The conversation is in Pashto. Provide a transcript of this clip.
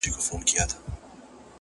د ورورولۍ په معنا-